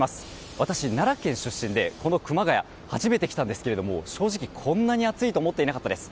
私、奈良県出身でこの熊谷初めて来たんですが正直、こんなに暑いとは思っていなかったです。